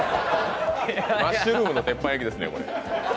マッシュルームの鉄板焼きですね、これ。